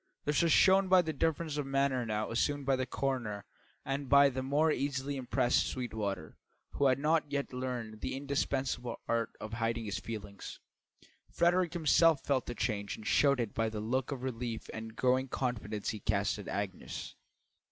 This was shown by the difference of manner now assumed by the coroner and by the more easily impressed Sweetwater, who had not yet learned the indispensable art of hiding his feelings. Frederick himself felt the change and showed it by the look of relief and growing confidence he cast at Agnes.